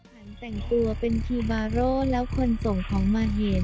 การแต่งตัวเป็นทีบาโรแล้วคนส่งผลมาเห็น